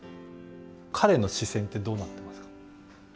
彼の視線ってどうなってますか？